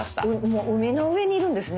もう海の上にいるんですね